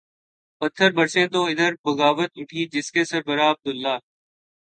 پتھر برسیں تو ادھر بغاوت اٹھی جس کے سربراہ عبداللہ